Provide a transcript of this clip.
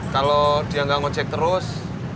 kalau dia gak ngojek terus